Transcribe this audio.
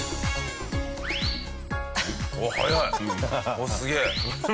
あっすげえ。